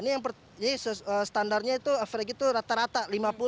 ini standarnya itu fregit itu rata rata lima puluh